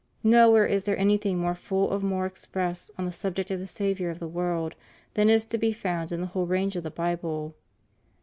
No where is there anything more full or more express on the subject of the Saviour of the world than is to be found in the whole range of the Bible.